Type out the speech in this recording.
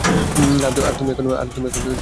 আর এখন তুমি নিজেকে ভয় পাচ্ছ।